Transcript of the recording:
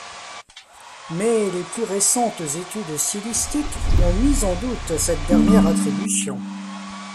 Mais les plus récentes études stylistiques ont mis en doute cette dernière attribution.